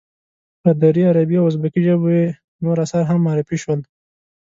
په دري، عربي او ازبکي ژبو یې نور آثار هم معرفی شول.